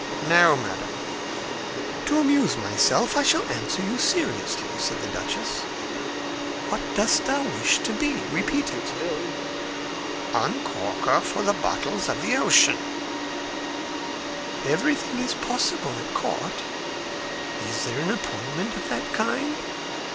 "No, madam." "To amuse myself, I shall answer you seriously," said the duchess. "What dost thou wish to be? Repeat it." "Uncorker of the bottles of the ocean." "Everything is possible at court. Is there an appointment of that kind?"